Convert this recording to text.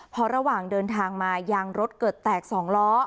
พอระหว่างเดินทางมายางรถเกิดแตก๒ล้อ